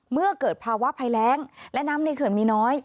เมื่อเกิดภาวะภัยแรงและน้ำในเขื่อนมีน้อย